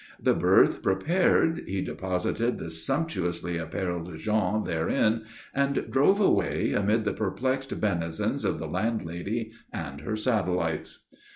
The berth prepared, he deposited the sumptuously apparelled Jean therein and drove away, amid the perplexed benisons of the landlady and her satellites.